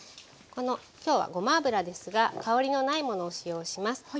きょうはごま油ですが香りのないものを使用します。